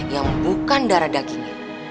yang bukan darah dagingnya